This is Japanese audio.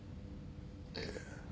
ええ。